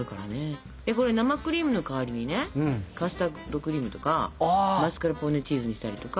でこれ生クリームの代わりにねカスタードクリームとかマスカルポーネチーズにしたりとか。